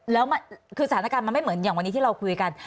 แล้วคือสถานการณ์มันไม่เหมือนอย่างวันนี้ที่เราคุยกัน